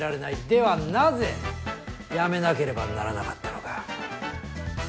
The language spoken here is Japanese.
ではなぜやめなければならなかったのか？